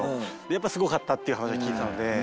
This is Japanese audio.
やっぱすごかったっていう話は聞いてたので。